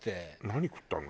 何食ったの？